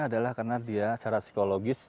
adalah karena dia secara psikologis